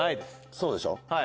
そうでしょ